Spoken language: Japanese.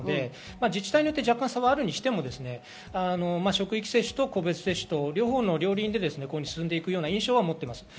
自治体によって差はあるにしても職域接種、個別接種、両輪で進んでいく印象は持っています。